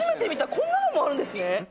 こんなのもあるんですね。